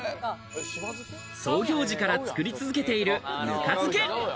創業時から作り続けているぬか漬け。